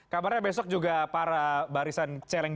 kabarnya besok juga para barisan celeng